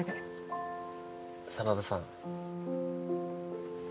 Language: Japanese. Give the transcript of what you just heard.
真田さん。